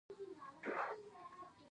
مامور په دې وخت کې د انتظار په حالت کې وي.